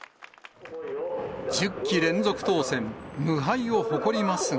１０期連続当選、無敗を誇りますが。